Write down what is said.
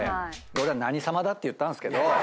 俺は何さまだって言ったんですけど。